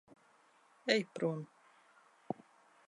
Ej prom.